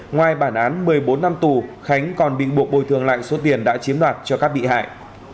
ngoài bản án một mươi bốn năm tù khánh còn bị buộc bồi thường lại số tiền đã chiếm đoạt cho các bị hại